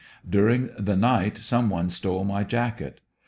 Durintj; the night some one stole my jacket.